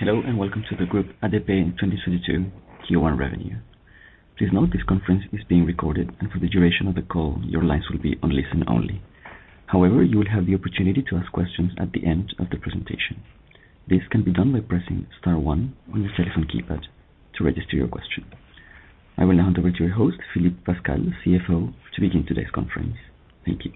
Hello, and welcome to the Groupe ADP 2022 Q1 Revenue. Please note this conference is being recorded and for the duration of the call, your lines will be on listen only. However, you will have the opportunity to ask questions at the end of the presentation. This can be done by pressing star one on your telephone keypad to register your question. I will now hand over to your host, Philippe Pascal, CFO, to begin today's conference. Thank you.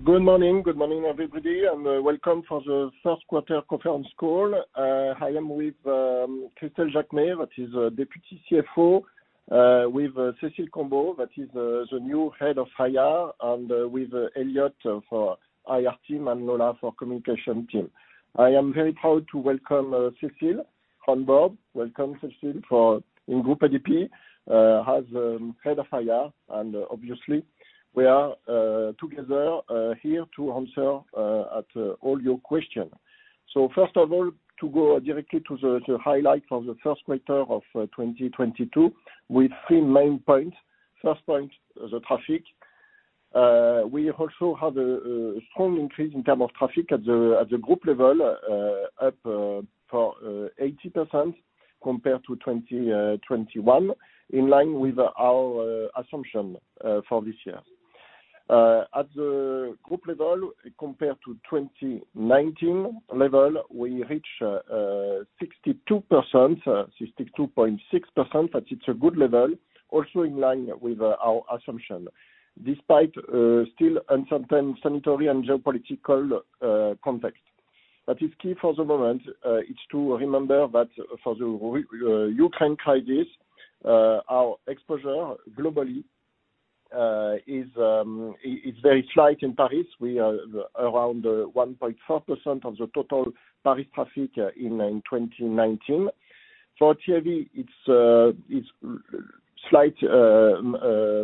Good morning. Good morning, everybody, and welcome for the first quarter conference call. I am with Christelle de Robillard, that is, Deputy CFO, with Cécile Combeau, that is, the new Head of IR, and with Elliot of IR team and Lola for communication team. I am very proud to welcome Cécile on board. Welcome, Cécile, in Groupe ADP, as Head of IR, and obviously we are together here to answer at all your question. First of all, to go directly to the highlight of the first quarter of 2022, with three main points. First point, the traffic. We also had a strong increase in terms of traffic at the group level, up 80% compared to 2021, in line with our assumption for this year. At the group level, compared to 2019 level, we reach 62%, 62.6%. That is a good level also in line with our assumption, despite still uncertain sanitary and geopolitical context. What is key for the moment is to remember that for the Ukraine crisis, our exposure globally is very slight. In Paris, we are around 1.4% of the total Paris traffic in 2019. For TAV, it's slight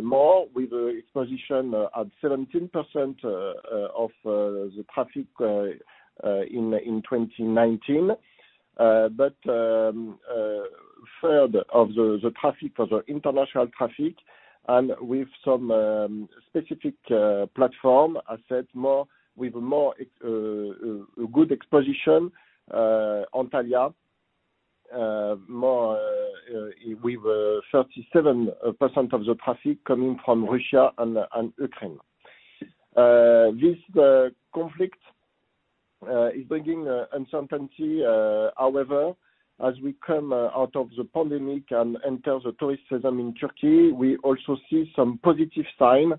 more with its position at 17% of the traffic in 2019, but third of the traffic of the international traffic and with some specific platform assets, with more good exposure, Antalya, more with 37% of the traffic coming from Russia and Ukraine. This conflict is bringing uncertainty, however, as we come out of the pandemic and enter the tourism in Turkey, we also see some positive sign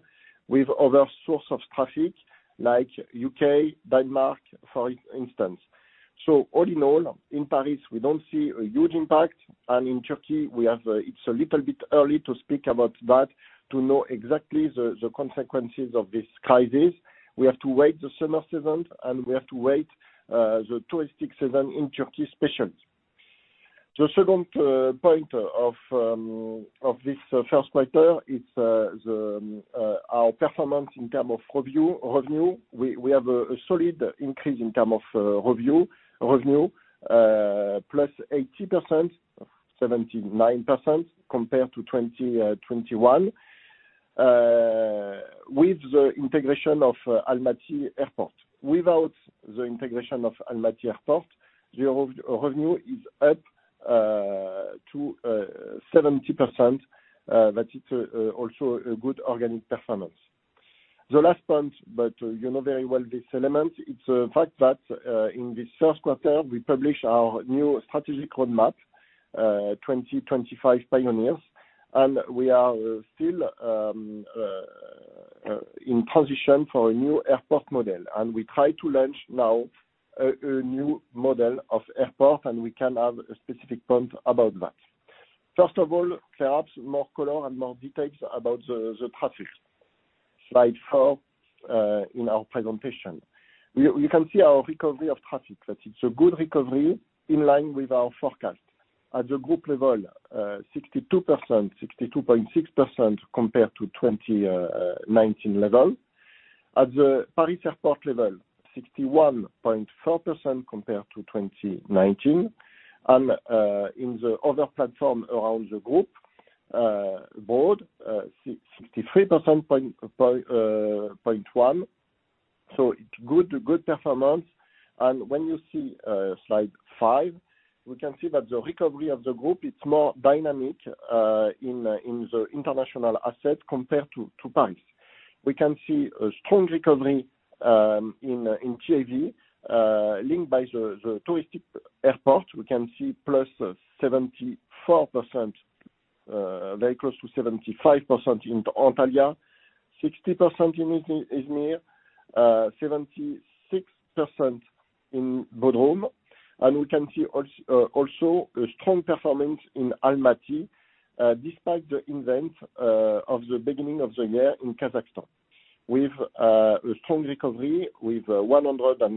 with other source of traffic like U.K., Denmark, for instance. All in all, in Paris, we don't see a huge impact and in Turkey, we have, it's a little bit early to speak about that, to know exactly the consequences of this crisis. We have to wait the summer season, and we have to wait the tourist season in Turkey especially. The second point of this first quarter is our performance in terms of revenue. We have a solid increase in terms of revenue +80%, 79% compared to 2021 with the integration of Almaty Airport. Without the integration of Almaty Airport, the revenue is up to 70%, that it's also a good organic performance. The last point, but you know very well this element, it's a fact that in this first quarter, we published our new strategic roadmap, 2025 Pioneers, and we are still in transition for a new airport model, and we try to launch now a new model of airport, and we can have a specific point about that. First of all, perhaps more color and more details about the traffic. Slide four in our presentation. We can see our recovery of traffic, that it's a good recovery in line with our forecast. At the group level, 62%, 62.6% compared to 2019 level. At the Paris Airport level, 61.4% compared to 2019. In the other platform around the group abroad, 63.1%. It's good performance. When you see slide five, we can see that the recovery of the group, it's more dynamic in the international asset compared to Paris. We can see a strong recovery in TAV, linked by the touristic airport. We can see +74%, very close to 75% in Antalya, 60% in Izmir, 76% in Bodrum. We can see also a strong performance in Almaty, despite the event of the beginning of the year in Kazakhstan. With a strong recovery with 104%,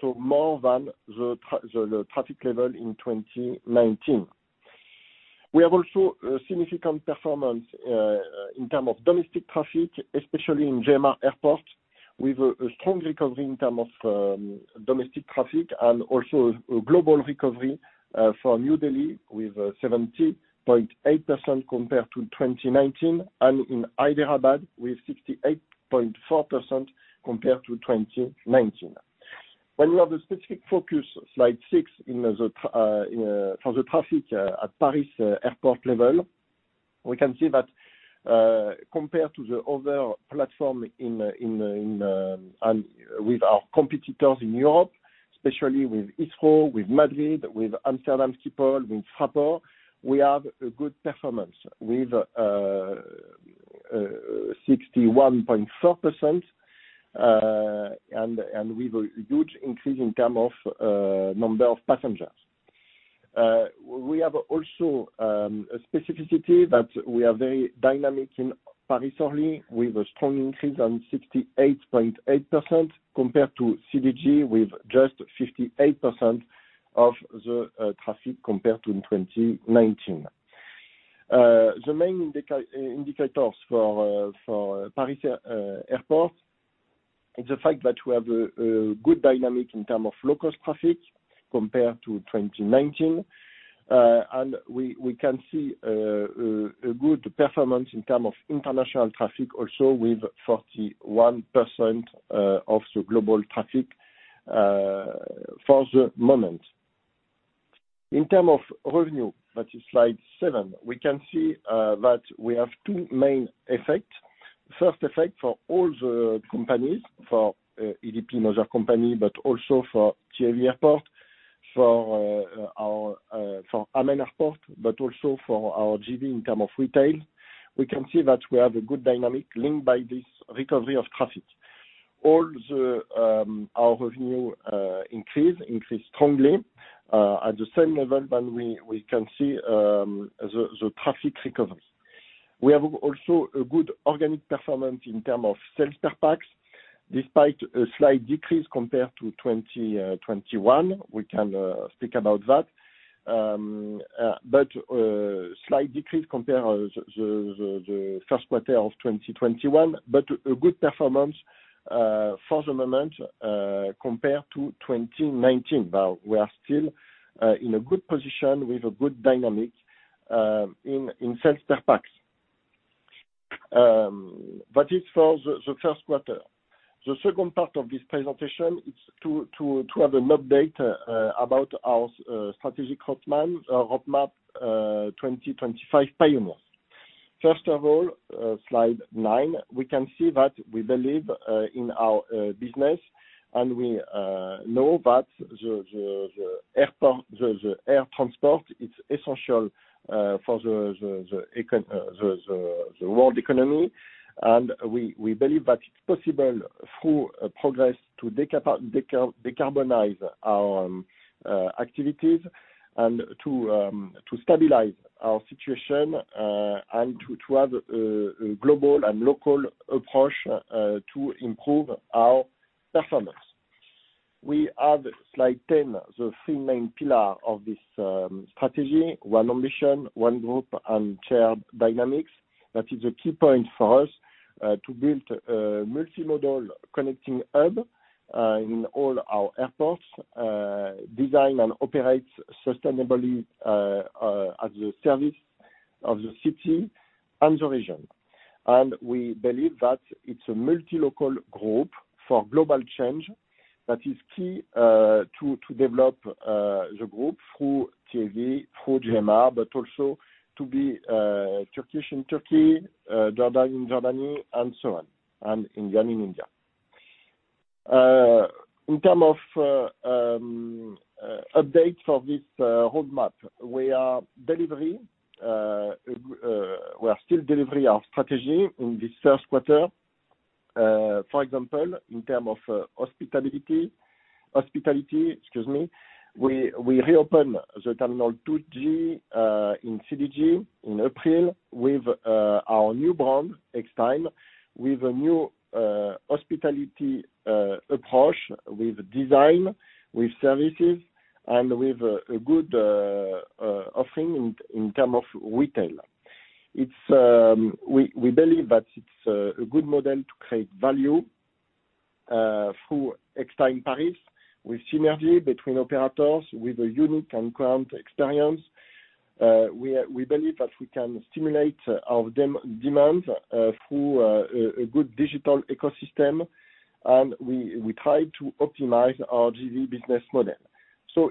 so more than the traffic level in 2019. We have also a significant performance in terms of domestic traffic, especially in GMR Airport, with a strong recovery in terms of domestic traffic and also a global recovery from New Delhi with 70.8% compared to 2019 and in Hyderabad with 68.4% compared to 2019. When we have a specific focus, slide six, on the for the traffic at Paris Airport level, we can see that compared to the other platforms with our competitors in Europe, especially with Heathrow, with Madrid, with Amsterdam Schiphol, with Fraport, we have a good performance with 61.4% and with a huge increase in terms of number of passengers. We have also a specificity that we are very dynamic in Paris only, with a strong increase of 68.8% compared to CDG, with just 58% of the traffic compared to in 2019. The main indicators for Paris Airport is the fact that we have a good dynamic in terms of local traffic compared to 2019. We can see a good performance in terms of international traffic also with 41% of the global traffic for the moment. In terms of revenue, that is slide seven, we can see that we have two main effect. First effect for all the companies, for ADP mother company, but also for TAV Airports, for our Amman Airport, but also for our JV in terms of retail. We can see that we have a good dynamic linked by this recovery of traffic. All the our revenue increase strongly at the same level than we can see the traffic recovery. We have also a good organic performance in term of sales per pax, despite a slight decrease compared to 2021. We can speak about that. But a slight decrease compared to the first quarter of 2021, but a good performance for the moment compared to 2019. We are still in a good position with a good dynamic in sales per pax. That is for the first quarter. The second part of this presentation is to have an update about our strategic roadmap 2025 Pioneers. First of all, slide nine, we can see that we believe in our business and we know that the airport, the air transport is essential for the world economy. We believe that it's possible through progress to decarbonize our activities and to stabilize our situation and to have a global and local approach to improve our performance. We have slide ten, the three main pillar of this strategy, One ambition, One Group, and Shared dynamics. That is a key point for us to build a multimodal connecting hub in all our airports, design and operate sustainably at the service of the city and the region. We believe that it's a multi-local group for global change that is key to develop the group through TAV, through GMR, but also to be Turkish in Turkey, Jordan in Jordan, and so on, and Indian in India. In terms of update for this roadmap, we are still delivering our strategy in this first quarter. For example, in terms of hospitality, excuse me, we reopen Terminal 2G in CDG in April with our new brand, Extime, with a new hospitality approach, with design, with services, and with a good offering in terms of retail. We believe that it's a good model to create value through Extime Paris, with synergy between operators, with a unique and grand experience. We believe that we can stimulate our demand through a good digital ecosystem, and we try to optimize our JV business model.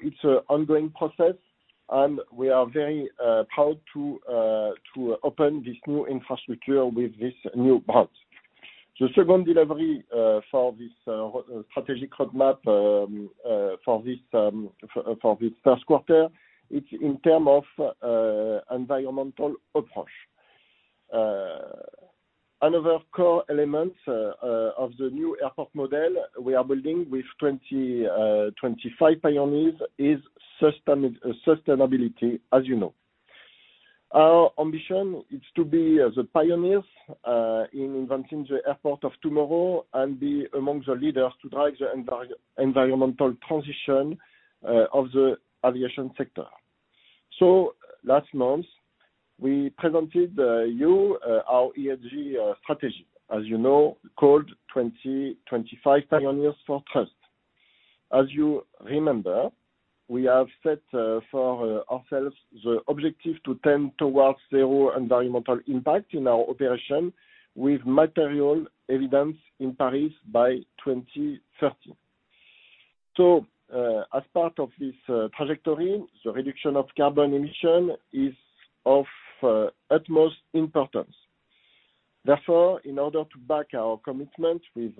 It's an ongoing process, and we are very proud to open this new infrastructure with this new brand. The second delivery for this strategic roadmap for this first quarter, it's in terms of environmental approach. Another core element of the new airport model we are building with 2025 Pioneers is sustainability, as you know. Our ambition is to be the pioneers in inventing the airport of tomorrow and be among the leaders to drive the environmental transition of the aviation sector. Last month, we presented you our ESG strategy, as you know, called 2025 Pioneers for Trust. As you remember, we have set for ourselves the objective to tend towards zero environmental impact in our operation with material evidence in Paris by 2030. As part of this trajectory, the reduction of carbon emission is of utmost importance. Therefore, in order to back our commitment with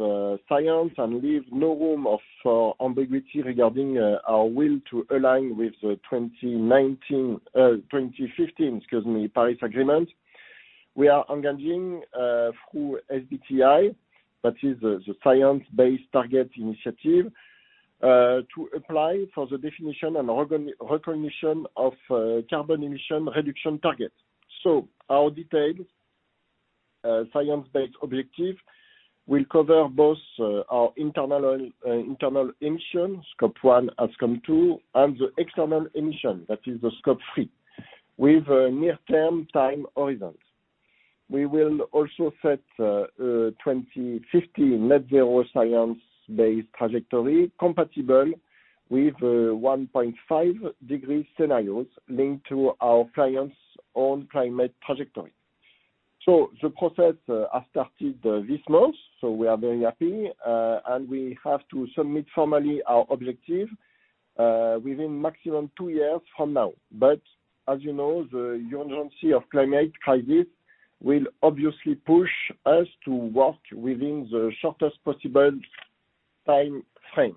science and leave no room for ambiguity regarding our will to align with the 2015 Paris Agreement, we are engaging through SBTi, that is the Science-Based Targets initiative, to apply for the definition and official recognition of carbon emission reduction targets. Our detailed science-based objective will cover both our internal emissions, scope one and scope two, and the external emissions, that is the scope three, with a near-term time horizon. We will also set a 2050 net zero science-based trajectory compatible with 1.5-degree scenarios linked to our clients' own climate trajectory. The process has started this month, so we are very happy, and we have to submit formally our objective within maximum two years from now. As you know, the urgency of climate crisis will obviously push us to work within the shortest possible time frame.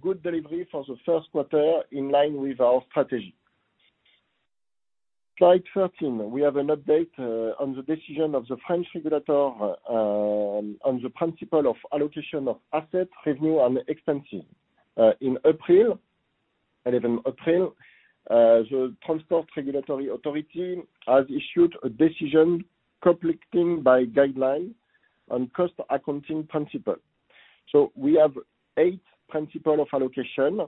Good delivery for the first quarter in line with our strategy. Slide 13. We have an update on the decision of the French regulator on the principle of allocation of assets, revenue and expenses. On 11 April, the Transport Regulatory Authority has issued a decision complementing the guideline on cost accounting principle. We have eight principles of allocation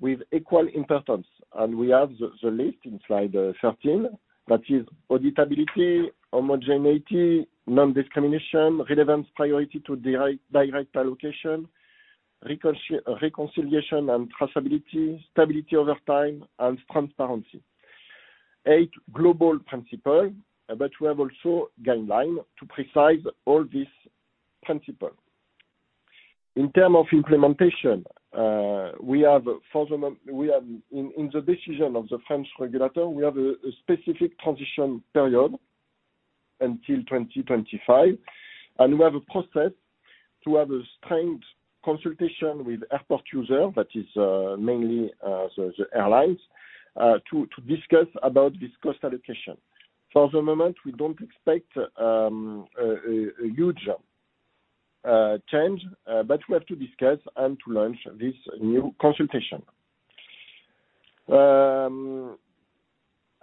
with equal importance, and we have the list in Slide 13. That is auditability, homogeneity, non-discrimination, relevance, priority to direct allocation, reconciliation and traceability, stability over time and transparency. Eight global principles, but we have also guidelines to precisely all these principles. In terms of implementation, we have in the decision of the French regulator, we have a specific transition period until 2025, and we have a process to have a standard consultation with airport users, that is, mainly, the airlines, to discuss about this cost allocation. For the moment, we don't expect a huge change, but we have to discuss and to launch this new consultation.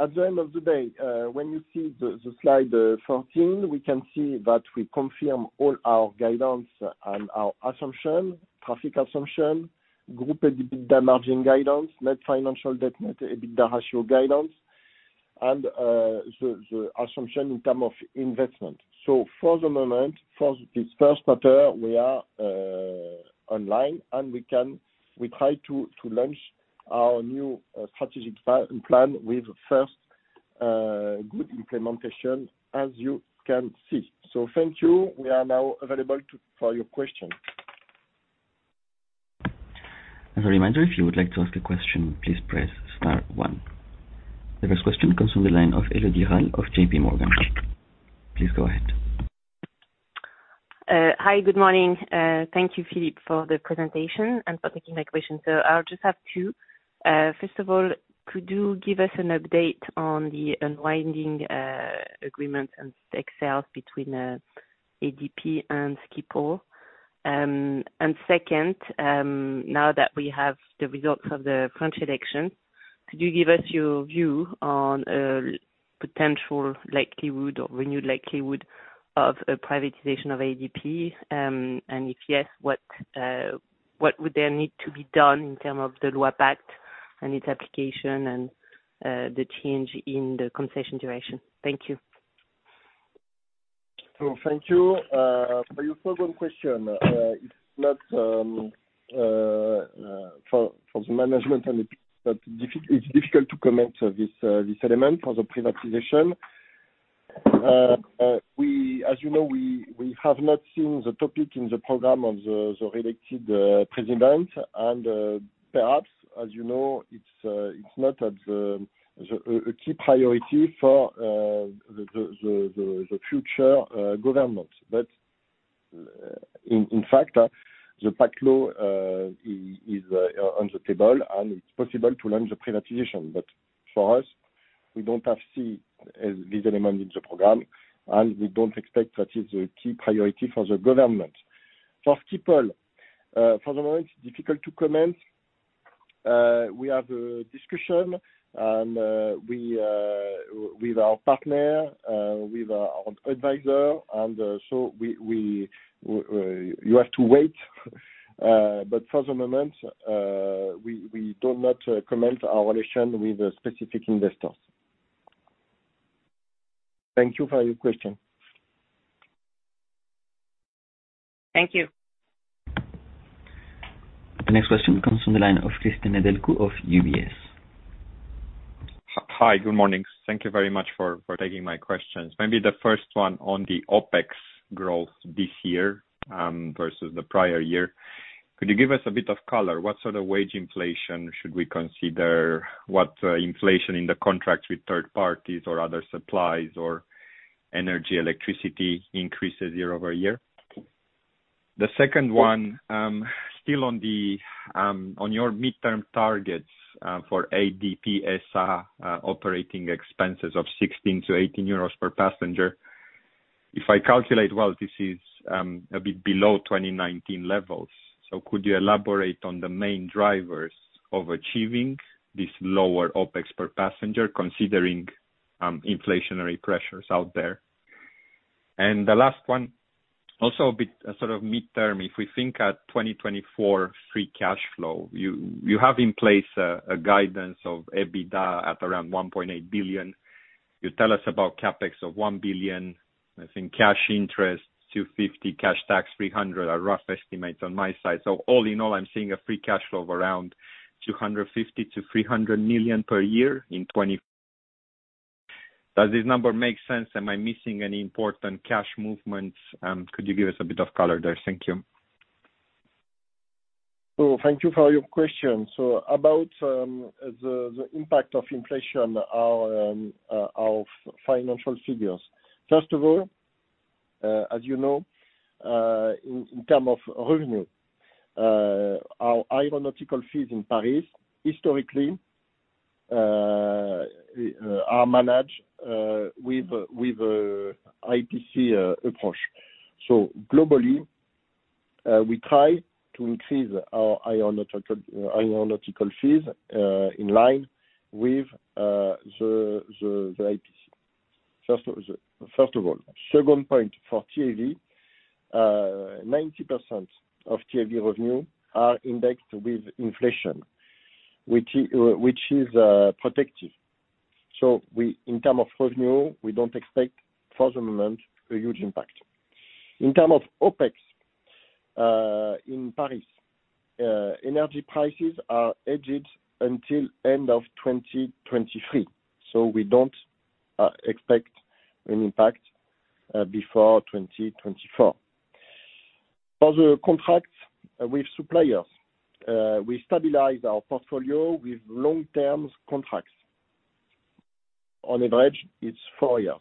At the end of the day, when you see the slide 14, we can see that we confirm all our guidance and our assumptions, traffic assumptions, group EBITDA margin guidance, net financial debt, net EBITDA ratio guidance and the assumptions in terms of investment. For the moment, for this first quarter, we are online and we try to launch our new strategic plan with first good implementation as you can see. Thank you. We are now available for your questions. As a reminder, if you would like to ask a question, please press star one. The first question comes from the line of Elodie Rall of JPMorgan. Please go ahead. Hi, good morning. Thank you, Philippe, for the presentation and for taking my question. I'll just have two. First of all, could you give us an update on the unwinding agreement and the sales between ADP and Schiphol? Second, now that we have the results of the French election, could you give us your view on a potential likelihood or renewed likelihood of a privatization of ADP? If yes, what would there need to be done in terms of the Loi PACTE and its application and the change in the concession duration? Thank you. Thank you. For your first question, it's difficult to comment on this element for the privatization. As you know, we have not seen the topic in the program of the re-elected president. Perhaps, as you know, it's not a key priority for the future government. In fact, the PACTE Law is on the table, and it's possible to launch the privatization. For us, we haven't seen this element in the program, and we don't expect that it is a key priority for the government. For Schiphol, for the moment, it's difficult to comment. You have to wait. For the moment, we do not comment on our relation with specific investors. Thank you for your question. Thank you. The next question comes from the line of Cristian Nedelcu of UBS. Hi. Good morning. Thank you very much for taking my questions. Maybe the first one on the OpEx growth this year versus the prior year. Could you give us a bit of color? What sort of wage inflation should we consider? What inflation in the contract with third parties or other suppliers or energy, electricity increases year-over-year? The second one still on your midterm targets for ADP SA operating expenses of 16- 18 euros per passenger. If I calculate well, this is a bit below 2019 levels. Could you elaborate on the main drivers of achieving this lower OpEx per passenger considering inflationary pressures out there? The last one, also a bit sort of midterm. If we think at 2024 free cash flow, you have in place a guidance of EBITDA at around 1.8 billion. You tell us about CapEx of 1 billion. I think cash interest, 250 million, cash tax, 300 million, are rough estimates on my side. All in all, I'm seeing a free cash flow of around 250 million-300 million per year in 2024. Does this number make sense? Am I missing any important cash movements? Could you give us a bit of color there? Thank you. Thank you for your questions. About the impact of inflation on our financial figures. First of all, as you know, in terms of revenue, our aeronautical fees in Paris historically are managed with IPC approach. Globally, we try to increase our aeronautical fees in line with the IPC. First of all. Second point for TAV, 90% of TAV revenue are indexed with inflation, which is protective. In terms of revenue, we don't expect for the moment a huge impact. In terms of OpEx, in Paris, energy prices are hedged until end of 2023, so we don't expect an impact before 2024. For the contracts with suppliers, we stabilize our portfolio with long-term contracts. On average, it's four years.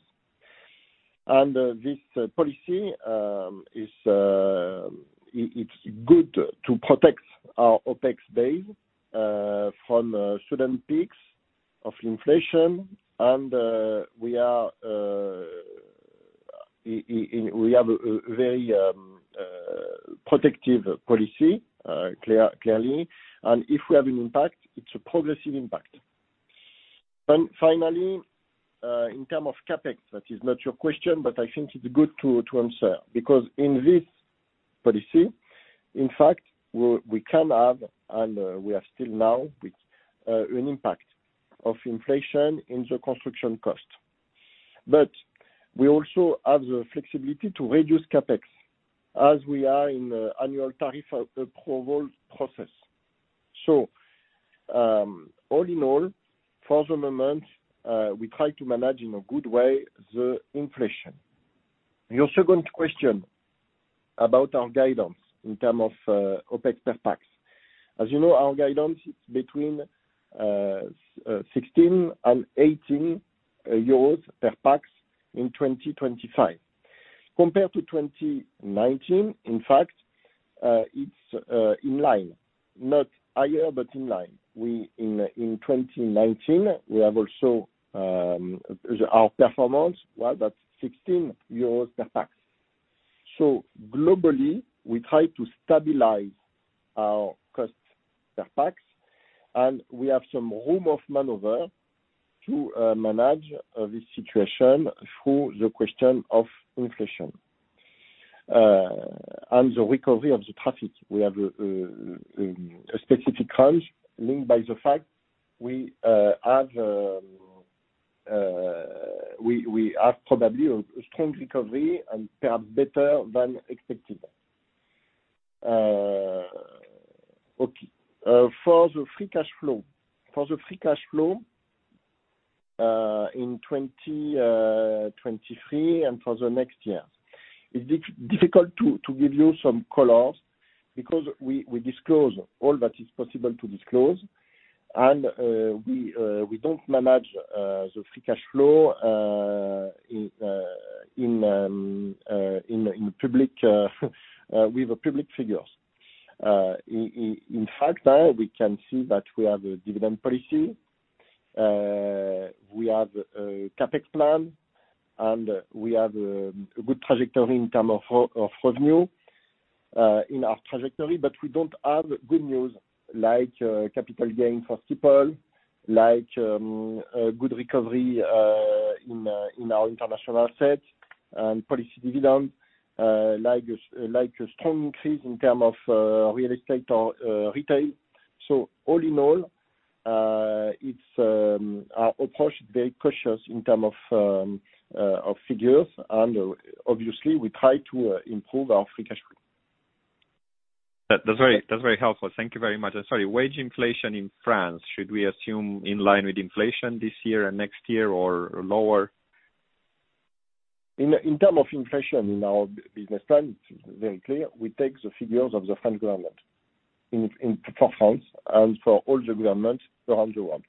This policy is good to protect our OpEx base from sudden peaks of inflation and we have a very protective policy clearly, and if we have an impact, it's a progressive impact. Finally, in terms of CapEx, that is not your question, but I think it's good to answer, because in this policy, in fact, we can have and we are still now with an impact of inflation in the construction cost. We also have the flexibility to reduce CapEx as we are in an annual tariff approval process. All in all, for the moment, we try to manage in a good way the inflation. Your second question about our guidance in terms of OpEx per pax. As you know, our guidance, it's between 16 and 18 euros per pax in 2025. Compared to 2019, in fact, it's in line, not higher, but in line. In 2019, we have also our performance, well, that's EUR 16 per pax. Globally, we try to stabilize our cost per pax, and we have some room of maneuver to manage this situation through the question of inflation. The recovery of the traffic, we have a specific range linked by the fact we have probably a strong recovery and fare better than expected. Okay. For the free cash flow. For the free cash flow in 2023 and for the next years, it's difficult to give you some colors because we disclose all that is possible to disclose and we don't manage the free cash flow in public with public figures. In fact, now we can see that we have a dividend policy, we have a CapEx plan, and we have a good trajectory in terms of revenue in our trajectory, but we don't have good news like capital gain for Schiphol, like a good recovery in our international assets and dividend policy, like a strong increase in terms of real estate or retail. All in all, it's our approach very cautious in terms of figures and obviously we try to improve our free cash flow. That's very helpful. Thank you very much. Sorry, wage inflation in France, should we assume in line with inflation this year and next year or lower? In terms of inflation in our business plan, it's very clear we take the figures of the French government for France and for all the governments around the world.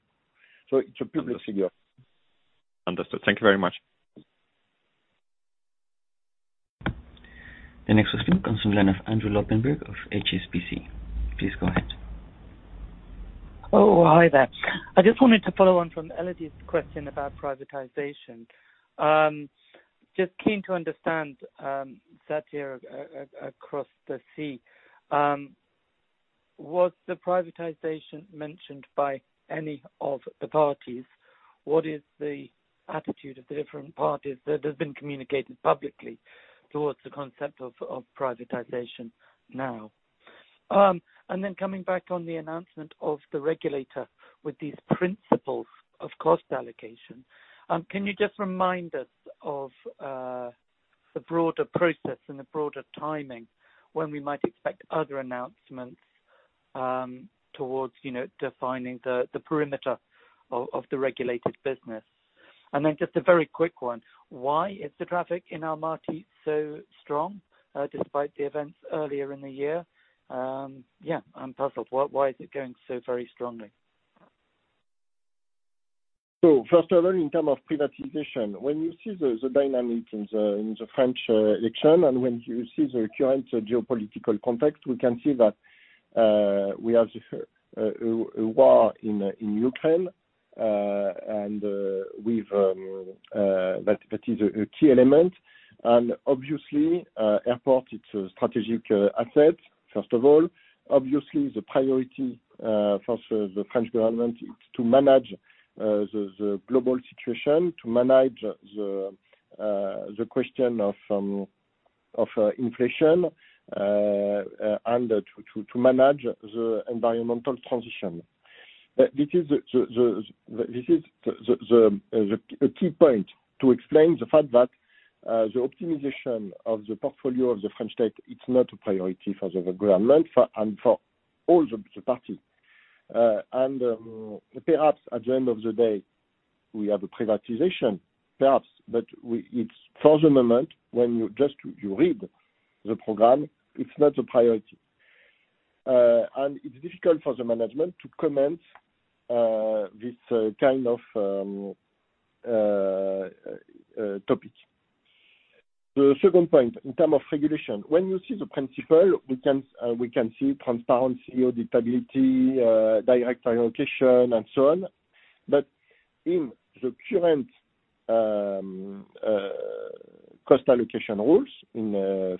It's a public figure. Understood. Thank you very much. The next question comes from the line of Andrew Lobbenberg of HSBC. Please go ahead. Oh, hi there. I just wanted to follow on from Elodie's question about privatization. Just keen to understand that here across the sea was the privatization mentioned by any of the parties? What is the attitude of the different parties that has been communicated publicly towards the concept of privatization now? Coming back on the announcement of the regulator with these principles of cost allocation, can you just remind us of the broader process and the broader timing when we might expect other announcements towards you know defining the perimeter of the regulated business? Just a very quick one. Why is the traffic in Almaty so strong despite the events earlier in the year? Yeah, I'm puzzled. Why is it going so very strongly? First of all, in terms of privatization, when you see the dynamic in the French election, and when you see the current geopolitical context, we can see that we have a war in Ukraine, and that is a key element. Obviously, airport it's a strategic asset, first of all. Obviously, the priority for the French government is to manage the global situation, to manage the question of inflation, and to manage the environmental transition. This is the key point to explain the fact that the optimization of the portfolio of the French state is not a priority for the government and for all the parties. Perhaps at the end of the day, we have a privatization, perhaps, but it's for the moment when you just read the program, it's not a priority. It's difficult for the management to comment this kind of topic. The second point, in terms of regulation, when you see the principle, we can see transparency, auditability, direct allocation, and so on. In the current cost allocation rules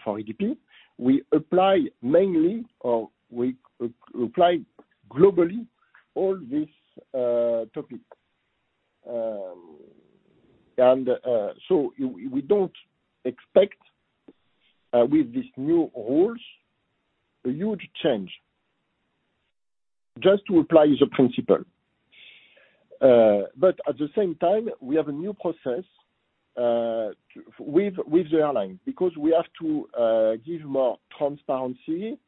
for ADP, we apply mainly or we apply globally all these topic. We don't expect with these new rules a huge change. Just to apply the principle. At the same time we have a new process with the airline because we have to give more transparency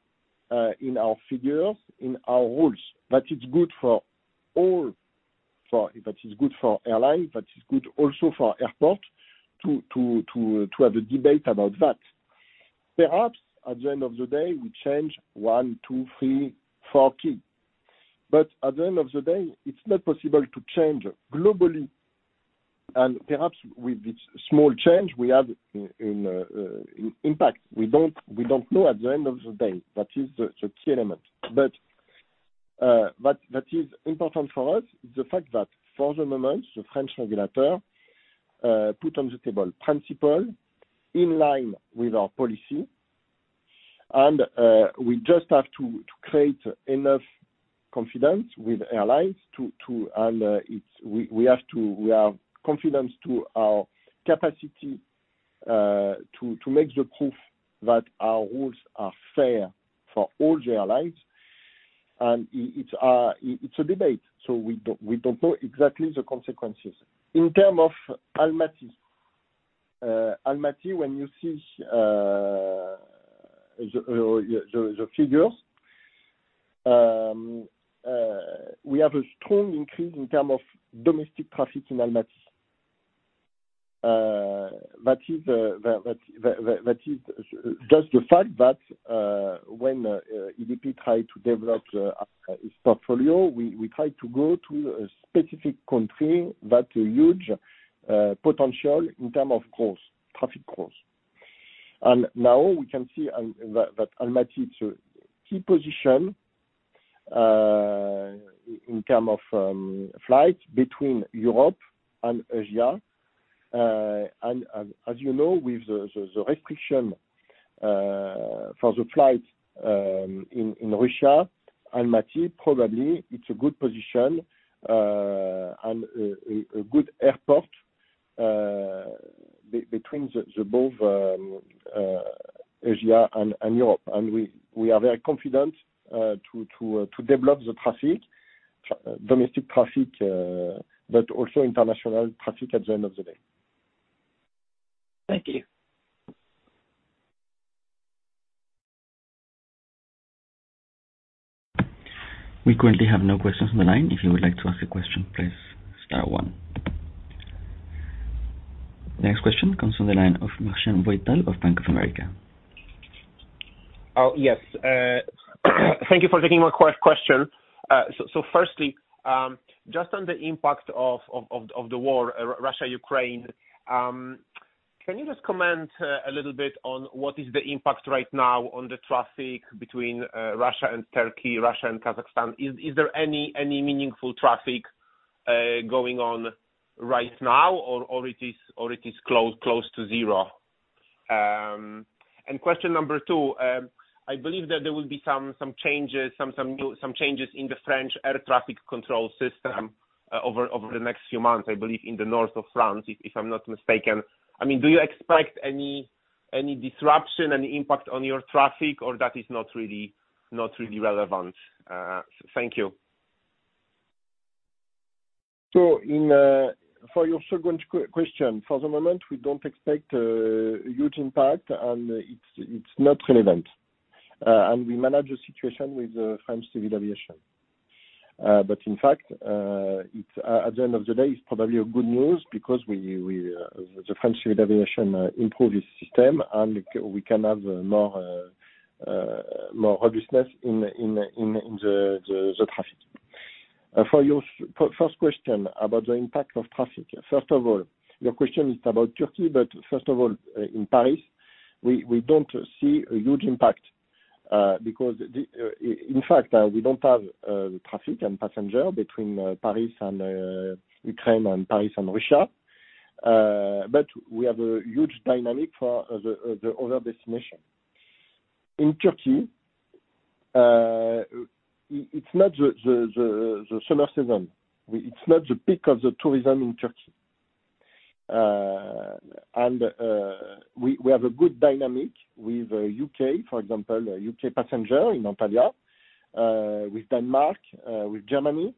in our figures, in our rules. That is good for all, for that is good for airline, that is good also for airport to have a debate about that. Perhaps at the end of the day, we change one, two, three, four key. At the end of the day, it's not possible to change globally. Perhaps with this small change we have an impact. We don't know at the end of the day. That is the key element. That is important for us, the fact that for the moment, the French regulator put on the table principles in line with our policy and we just have to create enough confidence with airlines. It's we have confidence in our capacity to prove that our rules are fair for all the airlines. It's a debate, so we don't know exactly the consequences. In terms of Almaty. Almaty, when you see the figures, we have a strong increase in terms of domestic traffic in Almaty. That is just the fact that when ADP try to develop its portfolio, we try to go to a specific country that has a huge potential in terms of growth, traffic growth. Now we can see that Almaty is a key position in terms of flights between Europe and Asia. As you know, with the restriction for the flights in Russia, Almaty probably is a good position and a good airport between both Asia and Europe. We are very confident to develop the traffic, domestic traffic, but also international traffic at the end of the day. Thank you. We currently have no questions on the line. If you would like to ask a question, please star one. Next question comes from the line of Marcin Wojtal of Bank of America. Oh, yes. Thank you for taking my question. So firstly, just on the impact of the war, Russia, Ukraine, can you just comment a little bit on what is the impact right now on the traffic between Russia and Turkey, Russia and Kazakhstan? Is there any meaningful traffic going on right now or it is close to zero? Question number two, I believe that there will be some changes in the French air traffic control system over the next few months, I believe in the north of France, if I'm not mistaken. I mean, do you expect any disruption, any impact on your traffic, or that is not really relevant? Thank you. For your second question, for the moment, we don't expect a huge impact, and it's not relevant. We manage the situation with the French civil aviation. In fact, at the end of the day, it's probably a good news because the French civil aviation improve its system, and we can have more robustness in the traffic. For your first question about the impact of traffic, first of all, your question is about Turkey, first of all, in Paris, we don't see a huge impact, because in fact, we don't have traffic and passenger between Paris and Ukraine and Paris and Russia. We have a huge dynamic for the other destination. In Turkey, it's not the summer season. It's not the peak of the tourism in Turkey. We have a good dynamic with U.K., for example, U.K. passenger in Antalya, with Denmark, with Germany.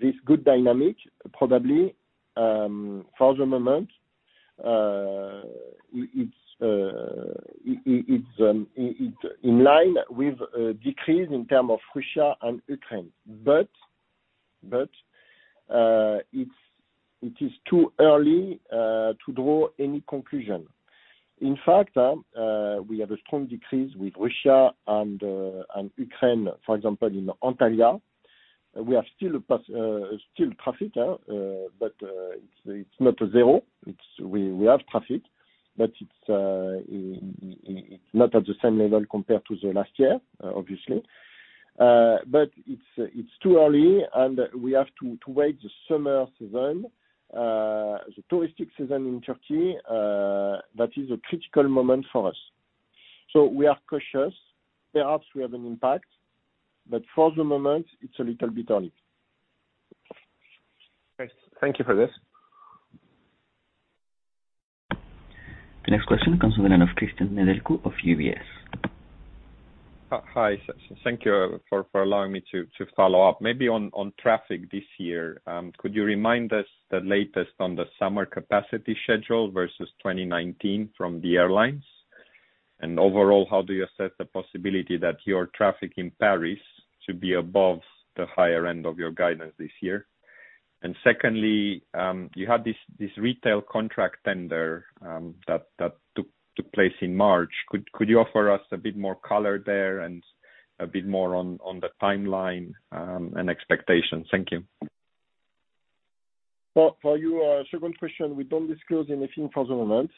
This good dynamic probably, for the moment, it's in line with a decrease in terms of Russia and Ukraine. It's too early to draw any conclusion. In fact, we have a strong decrease with Russia and Ukraine, for example, in Antalya. We have still traffic, but it's not a zero. We have traffic, but it's not at the same level compared to the last year, obviously. It's too early, and we have to wait the summer season, the touristic season in Turkey, that is a critical moment for us. We are cautious. Perhaps we have an impact, but for the moment, it's a little bit early. Thanks. Thank you for this. The next question comes from the line of Cristian Nedelcu of UBS. Hi. Thank you for allowing me to follow up. Maybe on traffic this year, could you remind us the latest on the summer capacity schedule versus 2019 from the airlines? Overall, how do you assess the possibility that your traffic in Paris should be above the higher end of your guidance this year? Secondly, you had this retail contract tender that took place in March. Could you offer us a bit more color there and a bit more on the timeline and expectations? Thank you. For your second question, we don't disclose anything for the moment.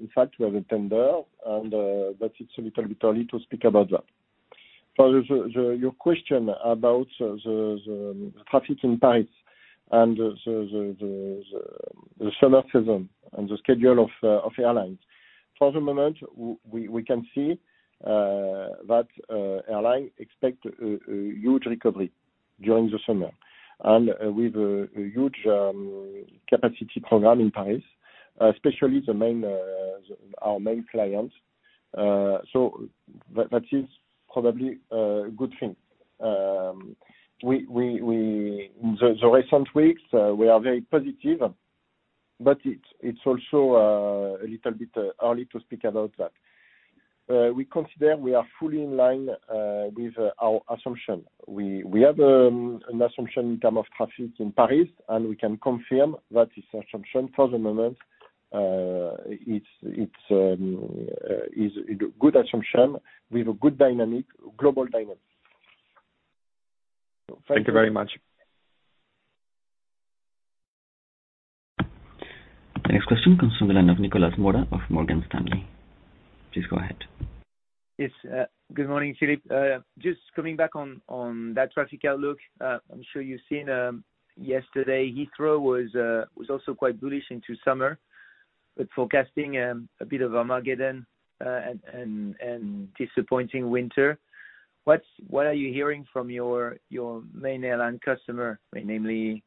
In fact, we have a tender, but it's a little bit early to speak about that. For your question about the traffic in Paris and the summer season and the schedule of airlines, for the moment, we can see that airlines expect a huge recovery during the summer and with a huge capacity program in Paris, especially our main clients. So that is probably a good thing. In the recent weeks, we are very positive, but it's also a little bit early to speak about that. We consider we are fully in line with our assumption. We have an assumption in terms of traffic in Paris, and we can confirm that this assumption for the moment is a good assumption with a good dynamic, global dynamic. Thank you. Thank you very much. The next question comes from the line of Nicolas Mora of Morgan Stanley. Please go ahead. Yes. Good morning, Philippe. Just coming back on that traffic outlook. I'm sure you've seen, yesterday Heathrow was also quite bullish into summer. Forecasting a bit of Armageddon and disappointing winter. What are you hearing from your main airline customer, namely,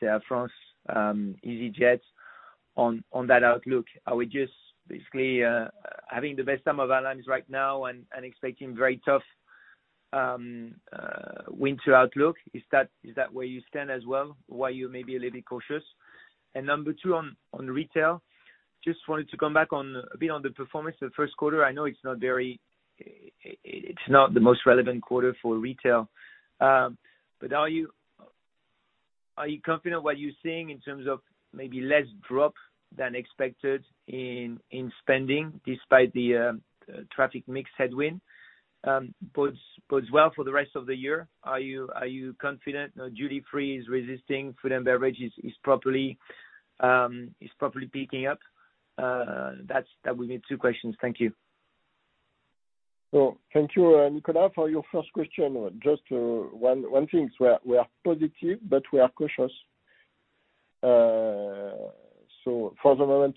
Air France, easyJet, on that outlook? Are we just basically having the best time of airlines right now and expecting very tough winter outlook? Is that where you stand as well? Why you may be a little cautious? Number two on retail, just wanted to come back on a bit on the performance the first quarter. I know it's not very—it's not the most relevant quarter for retail. But are you confident what you're seeing in terms of maybe less drop than expected in spending despite the traffic mix headwind bodes well for the rest of the year? Are you confident duty-free is resilient, food and beverage is properly picking up? That will be two questions. Thank you. Thank you, Nicolas, for your first question. Just one thing. We are positive, but we are cautious. For the moment,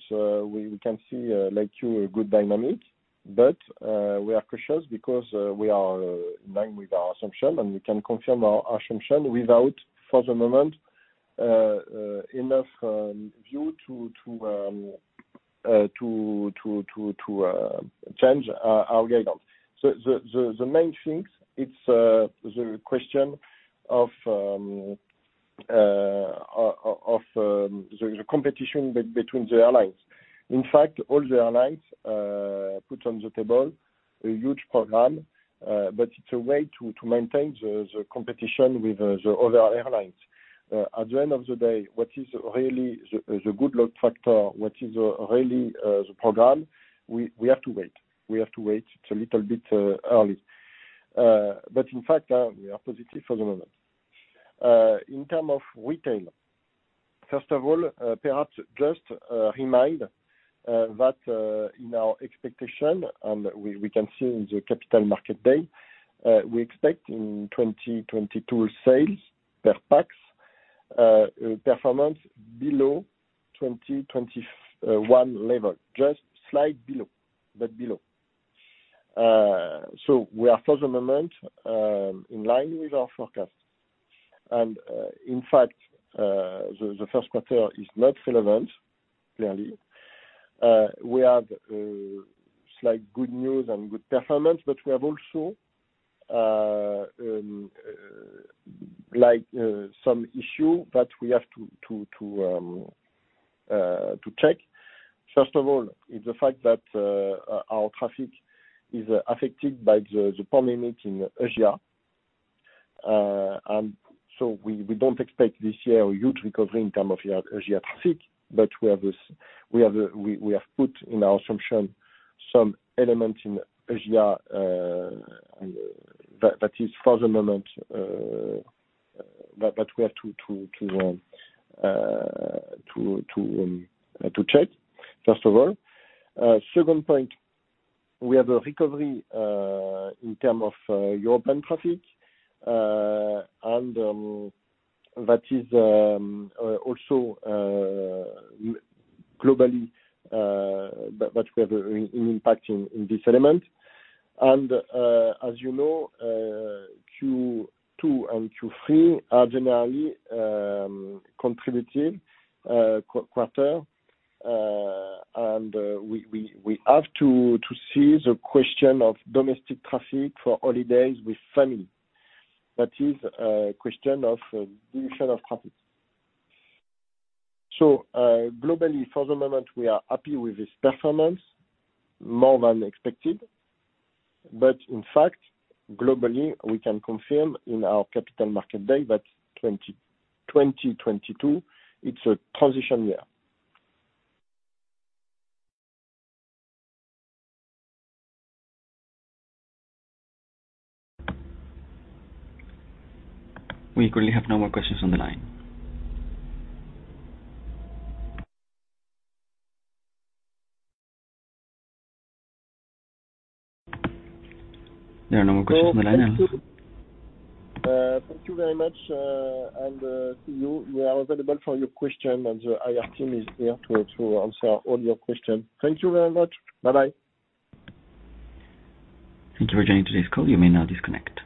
we can see, like you, a good dynamic, but we are cautious because we are in line with our assumption, and we can confirm our assumption without for the moment enough view to change our guidance. The main things, it's the question of the competition between the airlines. In fact, all the airlines put on the table a huge program, but it's a way to maintain the competition with the other airlines. At the end of the day, what is really the good load factor, what is really the program, we have to wait. We have to wait. It's a little bit early. In fact, we are positive for the moment. In terms of retail, first of all, perhaps just a reminder that in our expectation, we can see in the Capital Markets Day, we expect in 2022 sales per pax performance below 2021 level, just slightly below, but below. We are for the moment in line with our forecast. In fact, the first quarter is not relevant, clearly. We have slight good news and good performance, but we have also, like, some issue that we have to check. First of all, is the fact that our traffic is affected by the pandemic in Asia. We don't expect this year a huge recovery in term of Asia traffic, but we have put in our assumption some element in Asia that is for the moment that we have to check, first of all. Second point, we have a recovery in term of European traffic, and that is also globally that we have an impact in this element. As you know, Q2 and Q3 are generally contributing quarter. We have to see the question of domestic traffic for holidays with family. That is a question of duration of traffic. Globally for the moment we are happy with this performance more than expected. In fact, globally, we can confirm in our Capital Markets Day that 2022, it's a transition year. We currently have no more questions on the line. There are no more questions on the line. Thank you. Thank you very much, and see you. We are available for your question, and the IR team is here to answer all your questions. Thank you very much. Bye-bye. Thank you for joining today's call. You may now disconnect.